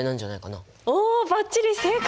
おばっちり正解！